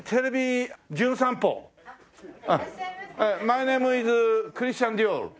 マイネームイズクリスチャン・ディオール。